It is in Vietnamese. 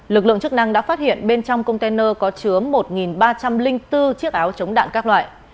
lực lượng chức năng đã phát hiện bên trong container có chứa một ba trăm linh bốn chiếc áo chống đạn các loại